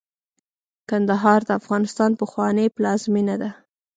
کندهار د افغانستان پخوانۍ پلازمېنه ده.